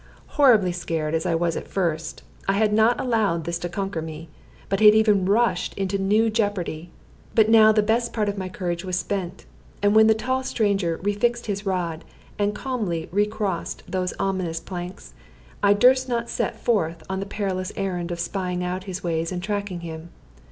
Horribly scared as I was at first, I had not allowed this to conquer me, but had even rushed into new jeopardy. But now the best part of my courage was spent; and when the tall stranger refixed his rod and calmly recrossed those ominous planks, I durst not set forth on the perilous errand of spying out his ways and tracking him.